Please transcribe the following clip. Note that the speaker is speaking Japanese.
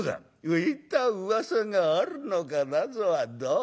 「浮いたうわさがあるのかなぞは。